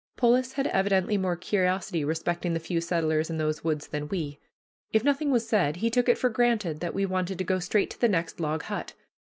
Polis had evidently more curiosity respecting the few settlers in those woods than we. If nothing was said, he took it for granted that we wanted to go straight to the next log hut.